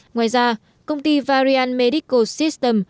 ngoài ra công ty varian medical system